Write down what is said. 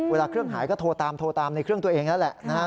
เวลาเครื่องหายก็โทรตามในเครื่องตัวเองแล้วแหละ